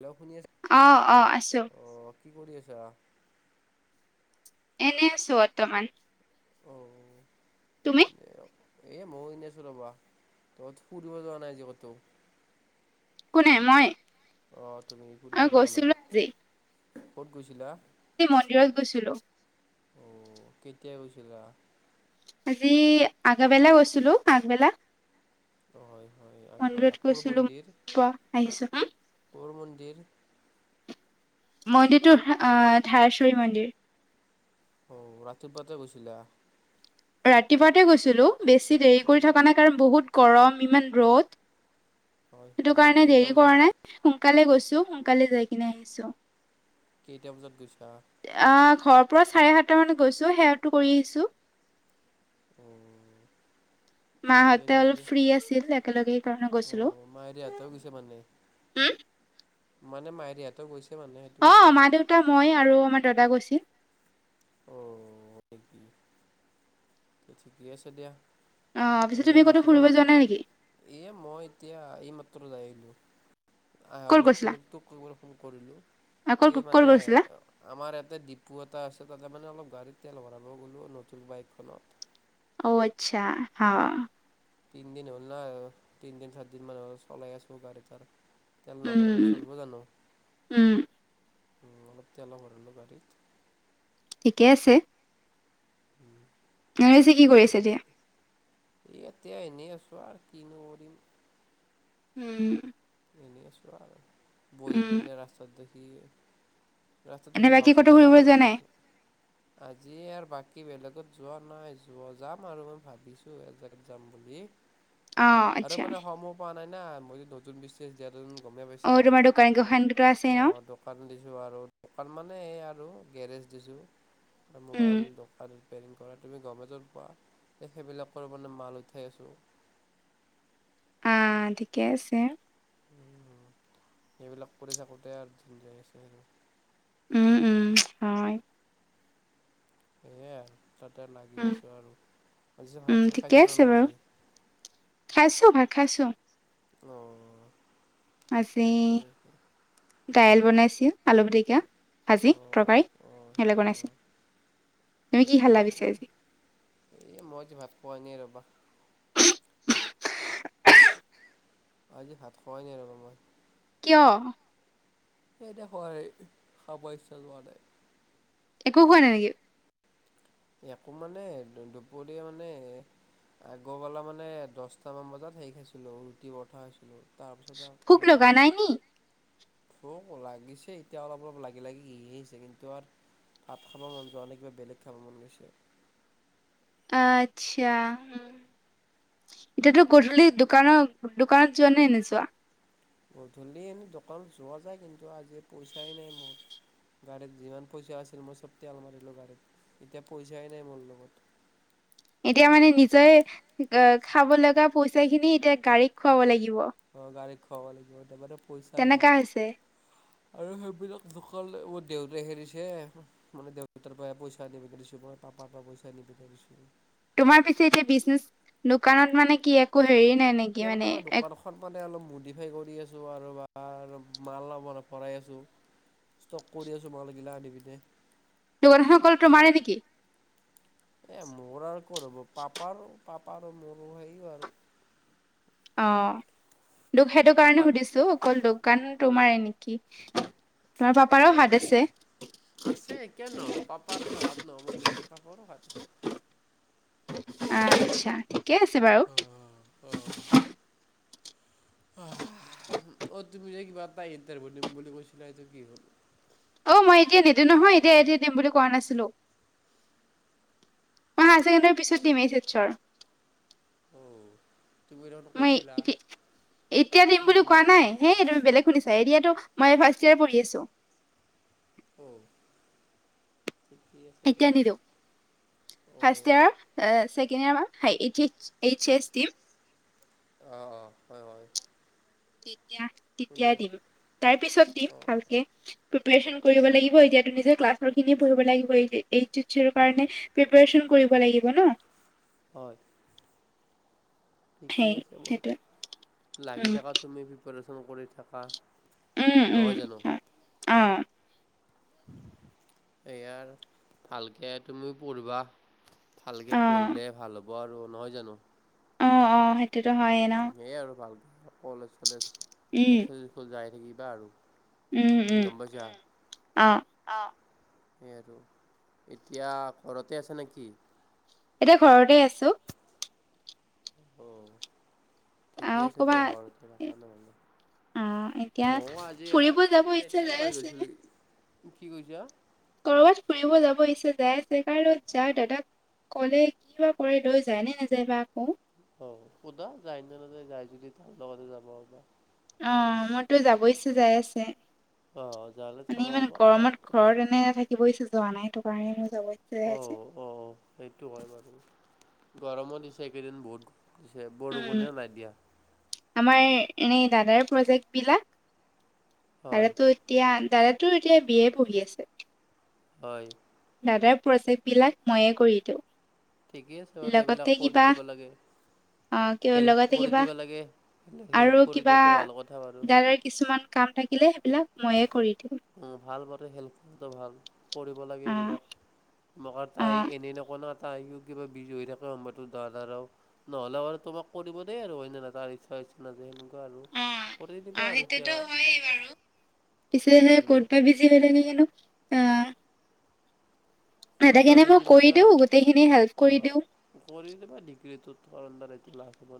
Hello শুনি আছা অ অ আছো অ' কি কৰি আছা এনে আছো অৰ্তমান তুমি এ মও এনে আছো ৰবা তহত ফুৰিব যোৱা নাই যে কতো কোনে মই অ তুমি অ ফুৰিব যোৱা গৈছিলো নাই কত গৈছিলা ই মন্দিৰত গৈছিলো অ কেতিয়া গৈছিলা আজি আগবেলা গৈছিলো আগবেলা হয় হয় আগবেলা মন্দিৰত ক'ৰ গৈছিলো মন্দিৰ ক আহিছো ক'ৰ মন্দিৰ [unintelligible] মন্দিৰটো আহ ধাৰেশ্বৰী মন্দিৰ অ ৰাতিপুৱাতে গৈছিলা ৰাতিপুৱাতে গৈছিলোঁ বেছি দেৰি কৰি থকা নাই কাৰণ বহুত গৰম ইমান ৰ'দ হয় সেইটো হয় কাৰণে কেইটা দেৰি বজাত কৰা নাই সোনকালে গৈছো সোনকালে যাই কিনে আহিছো কেইটা বজাত গৈছা পুৰা চাৰে সাতটা মানত গৈছো সেৱাটো কৰি আহিছো উম মা হতে অলপ ফ্ৰী আছিল একেলগে সেই কাৰনে গৈছিলো অ' মায়েৰিহঁতেও গৈছে মানে হম মানে মাইৰহঁতেও গৈছে মানে সেইটো অ কৈছা মা দেউতা মই আৰু আমাৰ দাদা গৈছো অ ঠিকেই আছে দিয়া অ পিছে যে তুমি ক'তো ফুৰিব ভাটিবেলা যোৱা নাই নেকি এই মই এতিয়া এইমাত্ৰ যাই আহিলোঁ আহ ক'ত লগটো গৈছিলা লগটো তোৰ ফোন কৰিলো অ ক'ত এই ক'ত মানে গৈছিলা আমাৰ ইয়াতে ডিপু এটা আছে তাতে মানে অলপ গাড়ী তেল ভৰাব গ'লো নতুন বাইকখনত অ আচ্ছা হা তিনিদিন হ'ল না তিনদিন চাত দিন মান হ'ল চলাই আছো গাড়ী তাৰ তেল নভৰালে উম চলব জানো উম উম আলপ্ত এল কৰিলো গাৰীত ঠিকে আছে উম নৰেচি কি কৰিছে এতিয়া এই এতিয়া এনেই আছো আৰু কিনো কৰিম উম এনেই আছোঁ আৰু বহি উম পিনে ৰাস্তাত দেখি ৰাস্তা এনে দেখি বাকী গছ ক'তো এডাল ফুৰিব যোৱা বহি নাই আছো আজি আৰ বাকী কি বেলেগত যোৱা নাই যোৱা যাম আৰু মই ভাবিছো এজেগাত যাম বুলি অ আৰু আচ্ছা মানে সময় পোৱা নাই না মই নতুন বিশ্ব জাৰিম গমেই অ পাইছা তোমাৰ দোকান গোসান দুটা আছে ন অঁ দোকান দিছোঁ আৰু দোকান মানে এই আৰু গেৰেজ দিছোঁ উম মোবাইল দকান প্লেনিং কৰা তুমি গমেজত পোৱা এই সেইবিলাকৰ মানে মাল উঠাই আছো। [inaudible] আ ঠিকে আছে। সেইবিলাক কৰি থাকোতে আৰ [unintelligible] উম উম হয়। সয় [inaudible] তাতে লাগি উম আছো আৰু আজি উম ভাত- চাত ঠিকে খাইছেনে আছে নাই বাৰু আজি? খাইছো ভাত খাইছো। অ আজি ঠিকেইে আছে। দাইল বনাইছিল, আলু পিটিকা ভাজি অঁ অঁ তৰকাৰী অঁ সবিলাক অঁ অঁ। বনাইছিল। তুমি কি ঠিকে খালা আছে পিছে দিয়া। আজি? এই মই আজি ভাত খোৱা নাই ৰ'বা। আজি ভাত খোৱাই নাই ৰ'বা মই। কিয়? সেইতি খ খাব ইচ্ছা লোৱা নাই [inaudible] একো খোৱা নাই নেকি? একো মানে দুপৰীয়া মানে আগৰবালা মানে দশটামান বজাত হেৰি খাইছিলো ৰুটি পৰঠা খাইছিলো। ভোক লগা নাই নি? ভোক লাগিছে এতিয়া অলপ- অলপ লাগি লাগি আহি আছে কিন্তু আৰু। ভাত খাব মন যোৱা নাই কিবা বেলেগ খাব মন গৈছে। আচ্ছা। এতিাতো গধূলি দোকানৰ- দোকানত যোৱা নে নোযোৱা? গধূলি এনেই দোকানত যোৱা যায় কিন্তু আজি পইচাই নাই মোৰ। গাড়ীত যিমান পইচা আছিল মই চব তেল মাৰিলো গাড়ীত এতিয়া পইচাই নাই মোৰ লগত। [inaudible] এতিয়া মানে নিজে খাব লগা পইচা খিনি এতিয়া গাড়ীক খুৱাব লাগিব। অ গাড়ী খোৱাাব লাগিব। পইচাই নাই তেনেকা হৈছে আৰু সেইবিলাক দোকান মোৰ দেউতাই দিছে মানে দেউতাৰ পৰা পইচা আনি পেলাই দিছোঁ মই। অ' পাপা পৰা পইচা আনি পেলাই দিছোঁ। তোমাৰ পিছে এতিয়া বিজনেস দোকানত মানে কি একো হেৰি নাই নেকি এতিয়া মানে মই একো দোকানখন মানে অলপ মডিফাই কৰি আছোঁ আৰু ৰবা মাল অলপ-অলপ ভৰাই আছোঁ। ষ্টক কৰি আছোঁ মাল গিলা আনি পিনে। দোকানখন অকল তোমাৰে নেকি? এই মোৰ আৰু ক'ত হ'ব পাপাৰো পাপা আৰু মোৰো সেয়াই আৰু। অ' তোক সেইটো কাৰণে পাপাৰ সুধিছোঁ অকল দোকান তোমাৰে নেকি কি তোমাৰ পাপাৰো নহয় হাত আছে। আছে কিয় নহ'ব পাপাৰ হাত নহ'ব নেকি পাপাৰো হাত আছে। আচ্ছ, ঠিকে আছে বাৰু। অ আহ অ' তুমি যে কিবা এটা ইন্টাৰভিউ দিম বুলি কৈছিলা এইটো কি হ'ল? অ' মই এতিয়া নিদিওঁ নহয় এতিয়া-এতিয়াই দিম বুলি কোৱা নাছিলোঁ। মই হাই চেকেণ্ডেৰীৰ পিছত দিম এইচ এচৰ অ'। তুমি দেখোন মই কৈছিলা এতিয়া-এতিয়া দিম বুলি কোৱা নিমনি নাই হেই তুমি বেলেগ শুনিছা এতিয়াই এতিয়াটো মই ফাৰ্ষ্ট ইয়েৰ পঢ়ি আছোঁ। অ'। ঠিকেই আছে এতিয়া দিয়া নিদিওঁ ফাৰ্ষ্ট ইয়েৰ, অ' চেকেণ্ড চেকেণ্ড ইয়েৰ পাম হাই এইচ এচ দিম অ'-অ' হয়-হয় তেতিয়া-তেতিয়াই দিম। তাৰ পিছত দিম অ' ভালকে প্ৰিপেচন কৰিব অ' লাগিব এতিয়া নিজ ক্লা খিনিয়ে পঢ়িব লাগিব এই এই কাৰণে প্ৰিপেৰচন কৰিব লাগিব ন। হয়। ঠিকেই সেই আছে ব সেইটোৱে লাগি উম থাক তুমি প্ৰিপেচন কৰি থাকা। উম উম নহয় অ, ইয়াৰ ভালকে তুমিও পঢ়িবা। ভালকে অ পঢ়িলে ভাল হ'ব আৰু নহয় জানো। অ অ সেই উ সেয়াই আৰু ভাল কলেজ চলেজ উম, যাই থাকিবা উম, আৰু উম, গম পাইছা অ', অ, সেই আৰু এতিয়া ঘৰতে আছে নেকি। এতিয়া ঘৰতে আছো। অ আৰু ঠিকেই আছে ক'বা দিয়া ঘৰ এ, চালে ব অ এতিয়া ফুৰিব যাব ইচ্ছা তেতিয়াই যাই এবাৰ গৈছিলোঁ আছে। কি কৈছা। কৰবাত ফুৰিব যাব ইচ্ছা যাই আছে কাৰণত যাৰ দাদাক, কলে কি বা কৰে লৈ যায় নে নেযায় বা আকৌ। অ সুদা যায় নে নাযায় যদি তাৰ লগতে যাব, অ মইতো যাব ইচ্ছা যাই আছে। আহ জালে যাবাব শই যোৱা নাই তটো কাৰণে, যাব ইচ্ছা যাই অ আছে অ সেইটো হয় বাৰু গৰমত দিছে কেইদিন বহুত। উম, বৰষুণো নাই দিয়া। আমাৰ এনেই দাদাৰ প্ৰজেক্ট বিলাক আৰে হয় টো এতিয়া ডাইৰেক্ট তো এতিয়া বিএ পঢ়ি আছে হয় দাদাৰ প্ৰজেক্টবিলাক মইয়ে কৰি দিওঁ ঠিকেই আছে বাৰু এইবিলাক কৰি দিব লাগে অহ কি হেল্প লগতে কৰি কিবা দিব লাগে হেল্প আৰু কৰি কিবা দিয়াটো ভাল কথা বাৰু দাদাৰ কিছুমান কাম থাকিলে সেইবিলাক ময়ে কৰি দিওঁ উম ভাল বতে হেল্প কৰাটো ভাল কৰিব লাগে অ' এইবিলাক ম কৰ্তাই অ'। এনেই নকয় ন তাইও কিবা বিজি হৈ থাকা সময়তো দাদাৰাও নহ'লে বাৰু তোমাক কৰিব দেই আৰু হয় না নাই তাৰ [unintelligible] যে সেনেকুৱা আৰু অ' কৰি অ' দিবা আৰু কিয় সেইটোতো হয়েই বাৰু। পিছে হে কত বা বিজি হৈ থাকেগেনো আহ কতবা বজি কৰি মানে অ দিওঁ গোটেইখিনি হেল্প কৰি দিওঁ কৰি দিবা ডিগ্ৰীটোত অল ৰাউণ্ডাৰ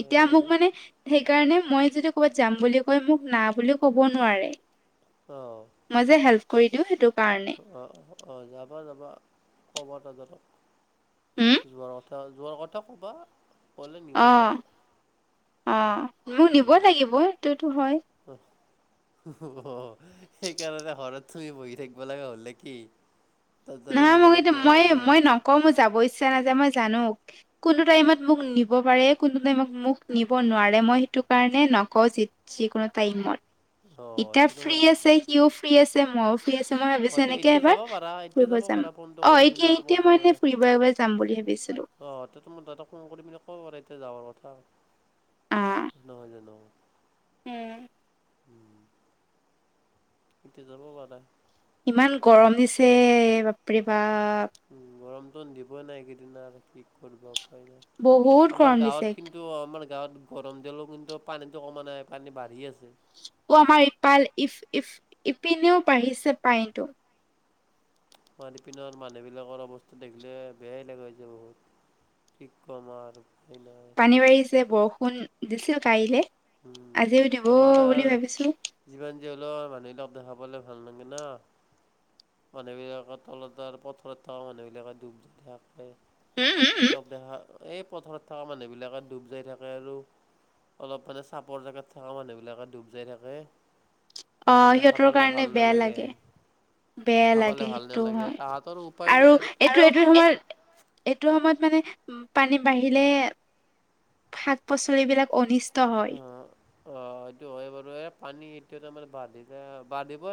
এতিয়া মোক মানে সেইকাৰণে মই মই যদি ক'ৰবাত যাম বুলি কয় মোক না বুলিও ক'ব নোৱাৰে মই যে হেল্প কৰি দিও সেইটো কাৰণে, অ অ যাবা যাবা ক'বতা জাবা হুম, যোৱাৰ কথ থা যোৱাৰ কথা ক'বা ক'লে নিব যোৱা অ' অ মোৰ নিব লাগিব সেইটো টো হয় অহ অ সেইকাৰণে হৰত তুমি বহি থাকিব লগা হ'ল নে কি তাত তাৰে নহয় নিব মোক এইটো লাগিব মইয়ে কাৰণে মই নকওঁ মই যাব ইচ্ছা নাযায় মই জানো কোনো টাইমত মোক নিব পাৰে কোনো টাইমত মোক নিব নোৱাৰে মই সেইটো কাৰণে নকওঁ যি যিকোনো টাইমত অ ইতয়া তে ফ্ৰী তোমাৰ আছে সিও ফ্ৰী আছে মইও ফ্ৰী আছে মই ভাবিছো অ তে এনেকে এতিয়া এবাৰ যাব পাৰা এতিয়া ফুৰিব যাব যাম পাৰা ফোনটো অ কৰি পিনে এতিয়া তোমাৰ এতিয়া দা মই এনে ফুৰিব যাম বুলি ভাবিছিলো অ, তো মই তহতে ফোন কৰি মেলি ক' বাৰু এতিয়া যাবৰ কথা নহয় জানো। উম, উম, এতিয়া যাব পা ইমান গৰম দিছে বাপৰি বাপ। উম গৰমটো দিবই নাইকেইদ কি কৰিব উপ নাই বহুত আমাৰ গৰম দিছে গাৱত কিন্তু আমাৰ গাৱত গৰম দিলোও কিন্তু পানীতো কমা নাই পানী বাঢ়ি আছে। আমাৰ ইপালফ ইফ ইপিনেও বাঢ়িছে পাইনটো মাৰি পিনৰ মানুহবিলাকৰ অৱস্থা দেখিলে বেয়াই লা হৈছে বহুত কি কম আৰু প ন [unintelligible] পানী বাৰী যে বৰষুণ দিছিল কাইলে। উম, আজিও দিব আমাৰ বুলি ভাবিছো। যিমান যি হলেও মানুহে লগ দেখাব। বলে ভাল নগে ন মানুহ বিলাকৰ তলত আৰু পথাৰত থ মানুহ বিলাকে ডব থাক হয় উম, উম, উম। কেন্তিল অব্যহা এই পথাৰত থকা মানুহবিলাকে ডুব যাই থাকে আৰু অলপ মানে চাপৰ জেগাত থকা মানুহবিলাকে ডুব যাই থাকে। মানে অহ, দেখা সিহতৰ পালে ভাল কাৰণে বেয়া নালাগে, লাগে। বেয়া দেখা পালে লাগে ভাল সেইটো নালাগে হয় তাহাঁতৰো উপায় নাই আৰু এইটো আৰু - এইটো সময়ত এইটো সময়ত। মানে উ পানী বাঢ়িলে শাক পাচলিবলাক অনিষ্ট হয়। অ - অ এইটো হয় বৰে পানী এয়া মাৰ বাদপ ব্ধপ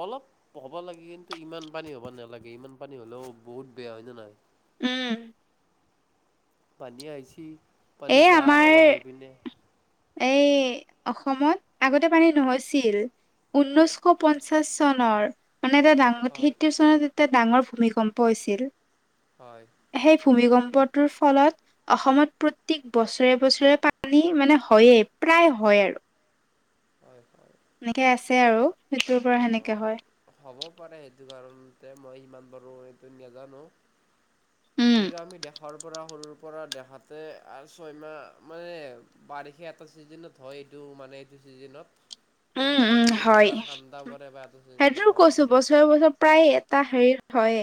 অলপ হ'ব লাগে কিন্তু ইমান পানী হ'ব নালাগে ইমান পানী হলেও বহুত বেয়া হয় ন নহয়। উম, পানী আহিছ পানী এই যা আমাৰ অলপ হৈ পিনে। এই অসমত আগতে পানী নহৈছিল ঊনৈছশ পঞ্চাশ চনৰ মানে এটা ডাঙ হয়, সিতৰ চনত এটা ডাঙৰ ভূমিকম্প হৈছিল। হয়। সেই ভূমি গম বৰ ফলত অসমত প্ৰতেক বছৰে বছৰে পানী মানে। হয়ে প্ৰায় হয় আৰু। হয় - হয়। এনেকে আছে আৰু। সেইটোৰ পৰা অ, সেনেকে হয়। হ'ব পাৰে সেইটো কাৰণ ত মই সিমান বাৰো এইটো নাজানো। উম, পৰা দেহাতে ছয়মাহ মানে বাৰিষা এটা চিজনত হয় এইটো মানে এইটো চিজনত উম, আৰু এটা উম, চিজনত হয় বা ঠাণ্ডা পৰে বা এটা চিজনত সেইটোতো গৰম কৈছো পৰে। বছৰে বছৰে প্ৰায় এটা হেৰি হয়।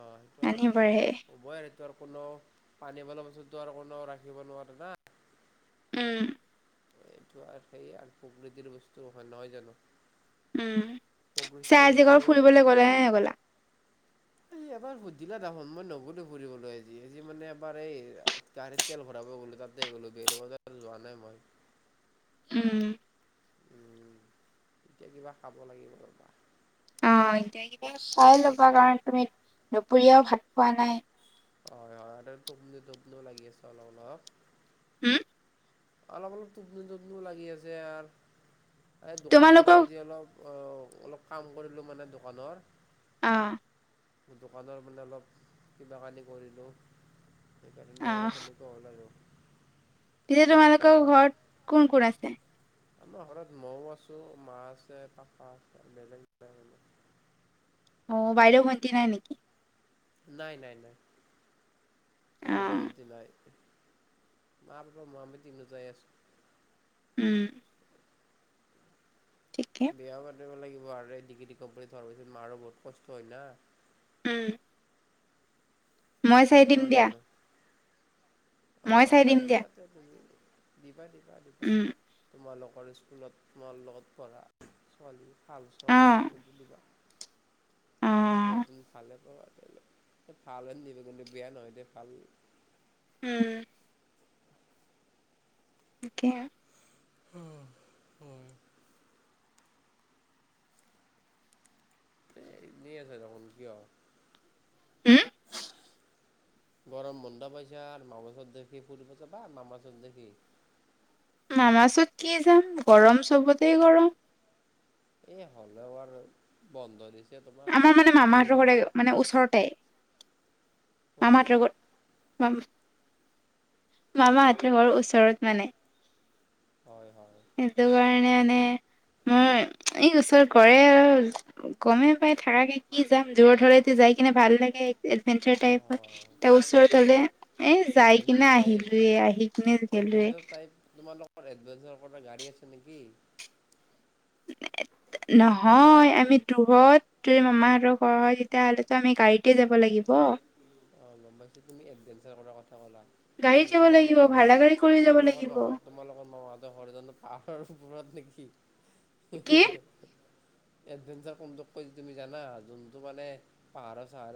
অ, সেইটো আৰু উবয় ত, কোনো পানী বল পাছত তো কোননেো ৰাখিব নোৱাৰে না। উম, এইটো আৰু সেই আৰু প্ৰকৃতিৰ বস্তু হয় নহয় জানো। উম, প্ৰকৃতিৰ চাই আজি কৰ বস্তু ফুৰিবলৈ গ'লে হে গলা। উম, এবাৰ সুধিলা দাহোন মই নগলো ফুৰিবলৈ আজিজি মানে এবাৰ এই গিৰ তেল ভৰাব গ'লো তাত। তাতে গ'লো গেলে বজাত যোৱা নাই মই উম, উম এতিয়া কিবা খাব লাগিব ৰ'বা অ, এতিয়া কিবা চাই ল'বা কাৰণ তুমি দুপৰীয়াও ভাত খোৱা নাই। হয়- হয় টোপনি - টোপনিও লাগি আছে অলপ - অলপ। ওম অলপ অলপ টোপনি টোপনিও লাগি আছে আৰ এই দোকান আৰু তোমালোকৰ আজি অলপ অ অলপ কাম কৰিলোঁ মানে দোকানৰ অহ দোকানৰ মানে অলপ কিবা কানি কৰিলোঁ সেকাৰনে অলপ সেনেকা হল আৰু তেতিয়া কি ক'ম তোমালোকৰ আৰ ঘৰত কোন কোন আছে আমাৰ ঘৰত মও আছো মা আছে পাপা আছে বেলেগ [unintelligible] অ বাইদেউ ভণ্টি নাই নেকি নাই নাই নাই বাইদেউ অ', ভন্তি নাই মা পাপা মই আমি তিনিওটাই আছো উম ঠিকে বিয়া পাতিব লাগিব আৰু ডিগ্ৰীটো কমপ্লিট হোৱাৰ পিছত মাৰো বহুত কষ্ট হয় না উম মই চাই দিম দিয়া অ মই চাই দিম দিয়া দিবা তে তুমি দিবা দিবা দিবা উম, তোমা লগ গৰ স্কুলত তোমাৰ লগত পঢ়া ছোৱালী ভাল ছোৱালী অ', আছে যদি দিবা অ', মই তুমি ভালে পাও আৰ [unintelligible] ভাল এজনি দিব কিন্তু দেই বেয়া নহয় দে ভাল উম [unintelligible] হম, হম। এ, এনেই আছে দেখোন কিয়? উম গৰম বন্ধ পাইছা, আৰু মা [unintelligible] দেখি ফুৰিব যাবা মামা [unintelligible] মামা ওচৰত কি যাম, গৰম চবতে গৰম। এই হ'লেও আৰু বন্ধ দিছ আমাৰ মানে মামাহঁতৰ ঘৰে মানে ওচৰতে। অ মামা‌হঁতৰ ঘৰ মা-মামাহঁতৰ ঘৰ ওচৰত মানে। হয় হয় এটোকাৰনে [unintelligible] এই, মোৰ এই ওচৰত ঘৰে আৰু গমে পাই থাকাকে কি যাম, দূৰত হ'লেটো যায় কিনে ভাল লাগে এডভেঞ্চাৰ টাইপ হয়, অঁ তাৰ ওচৰত হ'লে এ, যায় এডভেঞ্চাৰ কিনে টাইপ আহিলোয়ে, আহি কিনে [unintelligible] এডভেঞ্চাৰ টাইপ তোমালোকৰ এডভেঞ্চাৰ কৰা গাড়ী আছে নেকি? নহয়, আমি দূৰত যদি মামাহঁতৰ ঘৰ হয়, তেতিয়াহ'লেতো আমি গাড়ীতে যাব লাগিব। অ', গম পাইছোঁ, তুমি এডভেঞ্চাৰ কৰাৰ কথ গাড়ীত কিন্তু, যাব লাগিব, তোমালোকৰ, ভাড়া গাড়ী কৰি যাব তোমালোকৰ লাগিব, মামা-তোমালোকৰ মামাহঁতৰ ঘৰ জানোঁ পাহাৰ ওপৰত নেকি? কি? এডভেঞ্চাৰ কোনটোক তুমি জানা? যোনটো মানে পাহাৰৰ, চাহাৰ